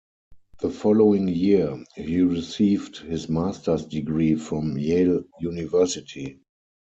The following year, he received his master's degree from Yale University.